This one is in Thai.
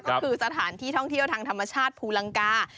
ก็คือสถานที่ท่องเที่ยวทางธรรมชาติภูลังกา